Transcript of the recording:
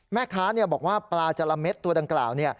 แม่ค้าบอกว่าปลาจาระเม็ดตัวดังกล่าว